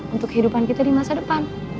untuk kehidupan kita di masa depan